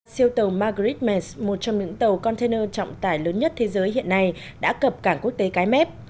siêu tàu margaret mets một trong những tàu container trọng tài lớn nhất thế giới hiện nay đã cập cảng quốc tế cái mép